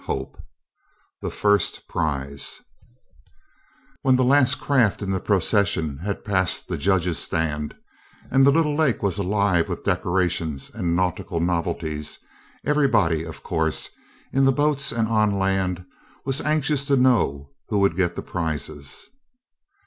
CHAPTER XIV THE FIRST PRIZE When the last craft in the procession had passed the judges' stand, and the little lake was alive with decorations and nautical novelties, everybody, of course, in the boats and on land, was anxious to know who would get the prizes.